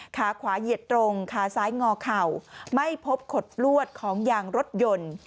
ขาขวาเหยียดตรงขาซ้ายงอเข่าไม่พบขดลวดของยางรถยนต์